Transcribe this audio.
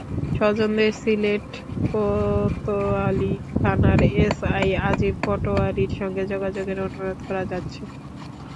স্বজনদের সিলেট কোতোয়ালি থানার এসআই আজিম পাটোয়ারির সঙ্গে যোগাযোগের অনুরোধ করা যাচ্ছে।